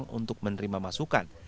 membuka ruang untuk menerima masukan